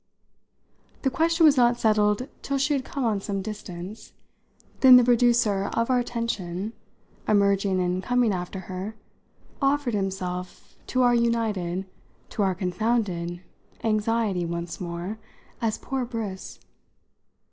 The question was not settled till she had come on some distance; then the producer of our tension, emerging and coming after her, offered himself to our united, to our confounded, anxiety once more as poor Briss.